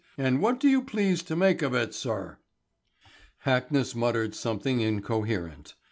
And what do you please to make of it, sir?" Hackness muttered something incoherent.